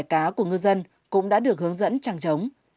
các khu vực của ngư dân cũng đã được hướng dẫn trang trống